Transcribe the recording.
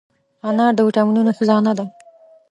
انار د ویټامینونو خزانه ده.